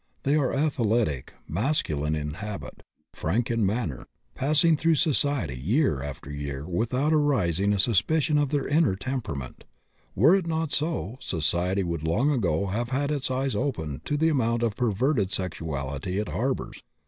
They are athletic, masculine in habit, frank in manner, passing through society year after year without arousing a suspicion of their inner temperament; were it not so, society would long ago have had its eyes opened to the amount of perverted sexuality it harbors."